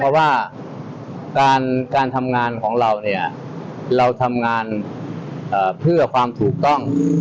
เพราะว่าการทำงานของเราเนี่ยเราทำงานเพื่อความถูกต้อง